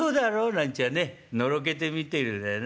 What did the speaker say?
なんちゃあねノロけてみてるでね。